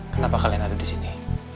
kenapa kalian ada di sini